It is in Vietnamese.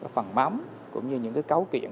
phần bám cũng như những cái cấu kiện